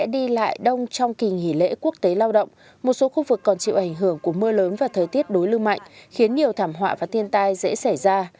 đi lại đông trong kỳ nghỉ lễ quốc tế lao động một số khu vực còn chịu ảnh hưởng của mưa lớn và thời tiết đối lưu mạnh khiến nhiều thảm họa và tiên tai dễ xảy ra